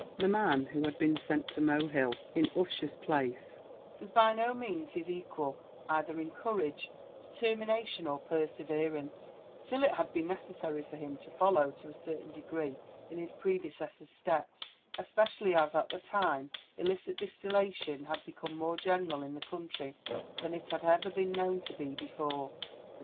The man who had been sent to Mohill in Ussher's place was by no means his equal either in courage, determination, or perseverance; still it had been necessary for him to follow to a certain degree in his predecessor's steps, especially as at the time illicit distillation had become more general in the country than it had ever been known to be before.